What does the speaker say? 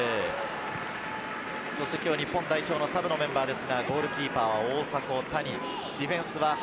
そして今日、日本代表のサブのメンバーです。